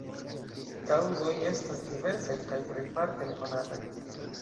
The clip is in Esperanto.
Kaŭzoj estas diversaj kaj plejparte nekonataj.